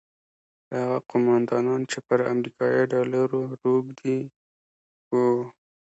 هغه قوماندانان چې پر امریکایي ډالرو روږدي وو.